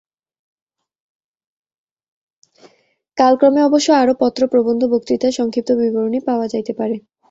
কালক্রমে অবশ্য আরও পত্র, প্রবন্ধ ও বক্তৃতার সংক্ষিপ্ত বিবরণী পাওয়া যাইতে পারে।